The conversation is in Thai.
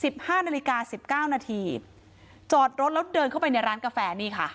ห้านาฬิกาสิบเก้านาทีจอดรถแล้วเดินเข้าไปในร้านกาแฟนี่ค่ะ